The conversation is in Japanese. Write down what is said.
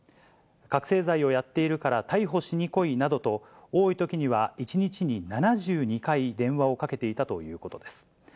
覚醒剤をやっているから逮捕しに来いなどと、多いときには１日に７２回、電話をかけていたということです。